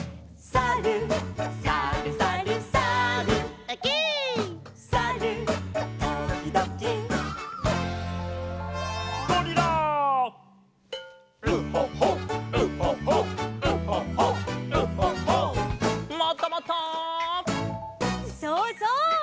そうそう！